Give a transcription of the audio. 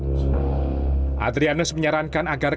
adrianus menyarankan agar kepolisian memanfaatkan kasus aksena